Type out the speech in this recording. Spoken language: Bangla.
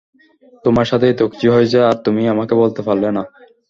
তোমার সাথে এত কিছু হয়েছে আর তুমি আমাকে বলতে পারলে না?